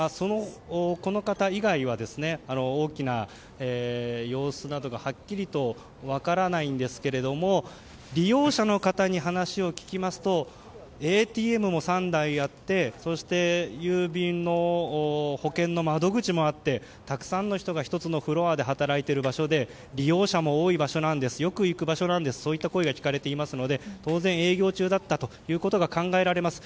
この方以外は大きな様子などがはっきりと分からないんですが利用者の方に話を聞きますとＡＴＭも３台あってそして郵便の保険の窓口もあってたくさんの人が１つのフロアで働いている場所で利用者も多い場所なんですよく行く場所なんですとそういった声が聞かれていますので当然、営業中だったということが考えられます。